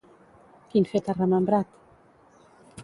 Quin fet ha remembrat?